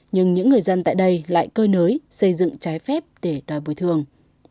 nhưng những người dân tại đây lại cơi nới xây dựng trái phép để đòi bồi thường